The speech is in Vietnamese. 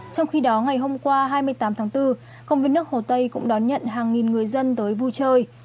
trong khi đó ngày hôm qua hai mươi tám tháng bốn công viên nước hồ tây cũng đón nhận hàng nghìn người dân tới vui chơi